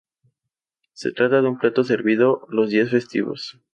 Se trata de un plato servido los días festivos.